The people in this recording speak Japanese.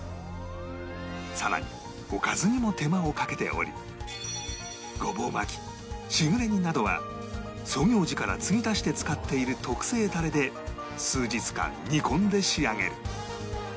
さらにおかずにも手間をかけておりごぼう巻きしぐれ煮などは創業時からつぎ足して使っている特製タレで数日間煮込んで仕上げる